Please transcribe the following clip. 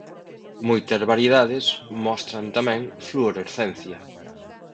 Moitas variedades mostran tamén fluorescencia.